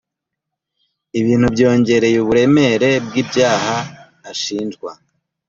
ibintu byongereye uburemere bw’ibyaha ashinjwa